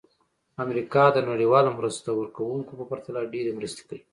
امریکا د نړیوالو مرسته ورکوونکو په پرتله ډېرې مرستې کوي.